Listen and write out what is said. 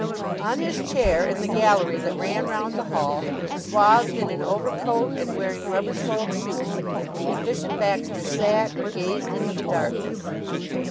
On his chair in the gallery that ran round the hall, swathed in an overcoat and wearing rubber soled shoes, the Efficient Baxter sat and gazed into the darkness.